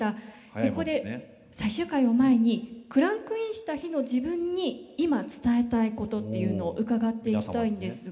ここで最終回を前にクランクインした日の自分に今伝えたいことっていうのを伺っていきたいんですが。